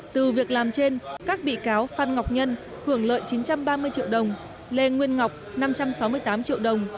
từ việc làm trên các bị cáo phan ngọc nhân hưởng lợi chín trăm ba mươi triệu đồng lê nguyên ngọc năm trăm sáu mươi tám triệu đồng